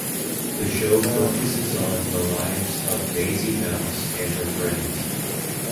The show focuses on the lives of Maisy Mouse and her friends.